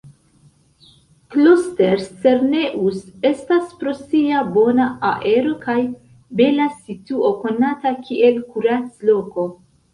Klosters-Serneus estas pro sia bona aero kaj bela situo konata kiel kuracloko.